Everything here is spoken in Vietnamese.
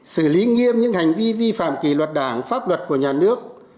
xử lý nghiêm những hành vi vi phạm kỳ luật đảng pháp luật của nhà nước